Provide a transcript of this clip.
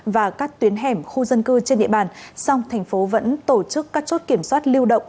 và các tuyến hẻm khu dân cư trên địa bàn song thành phố vẫn tổ chức các chốt kiểm soát lưu động